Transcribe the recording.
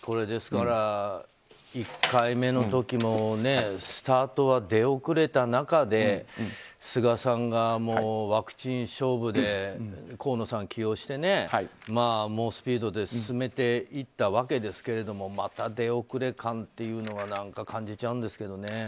ですから、１回目の時もスタートは出遅れた中で菅さんがワクチン勝負で河野さん起用して猛スピードで進めていったわけですがまた出遅れ感というのは感じちゃうんですけどね。